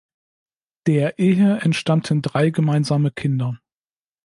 Der Ehe entstammten drei gemeinsame Kinder.